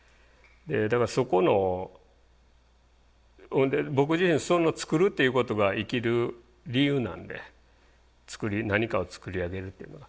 だからそこの僕自身作るっていうことが生きる理由なんで何かを作り上げるっていうのが。